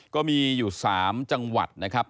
ก็มีอยู่๓จังหวัดนะครับ